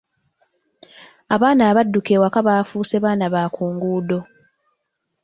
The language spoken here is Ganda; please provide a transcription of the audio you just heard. Abaana abadduka ewaka bafuuse baana ba ku nguudo.